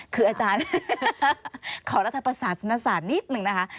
คืออาจารย์ขอรัฐประสาสนศาสตร์นิดนึงนะคะ